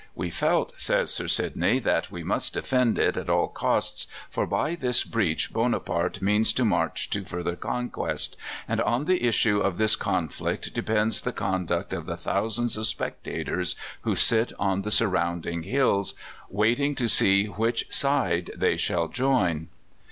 "We felt," says Sir Sidney, "that we must defend it at all costs, for by this breach Bonaparte means to march to further conquest, and on the issue of this conflict depends the conduct of the thousands of spectators who sit on the surrounding hills, waiting to see which side they shall join."